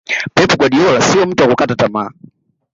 Pep Guardiola siyo mtu wa kukata tamaa